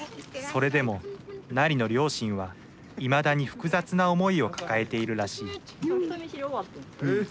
それでもなりの両親はいまだに複雑な思いを抱えているらしい人見知り終わってん。